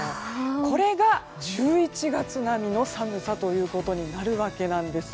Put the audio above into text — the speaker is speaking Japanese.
これが１１月並みの寒さということになるわけなんです。